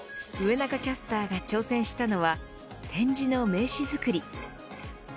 上中キャスターが挑戦したのは点字の名刺作り。